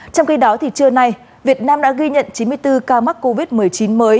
trong khi đó trưa nay việt nam đã ghi nhận chín mươi bốn ca mắc covid một mươi chín mới